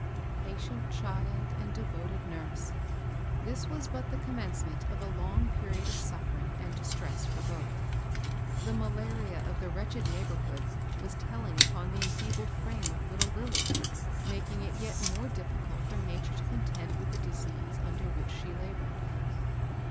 I^atient child and devoted nurse I This was but the commencement of a long period of suffering and distress for both. The malaria of the wretched neighborhood was telling upon tjie eqfeebled firame of little Lilly, making it yet more difficult for na ture to contend with the disease under which she labored.